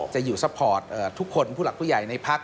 จะอยู่ซัพพอร์ตทุกคนผู้หลักผู้ใหญ่ในพัก